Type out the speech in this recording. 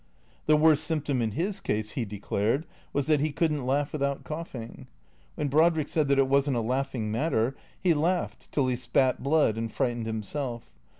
The worst symptom in his case, he declared, was that he could n't laugh without coughing. When Brodrick said that it was n't a laughing matter, he laughed till he spat blood and frightened himself.